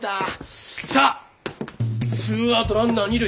さあツーアウトランナー二塁。